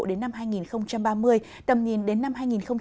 đến năm hai nghìn ba mươi tầm nhìn đến năm hai nghìn năm mươi